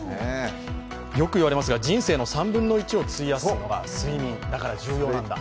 よく言われますが、人生の３分の１を費やすのが睡眠、だから重要なんだ。